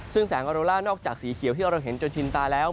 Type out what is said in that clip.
ซึ่งแสงออโรล่านอกจากสีเขียวที่เราเห็นจนชินตาแล้ว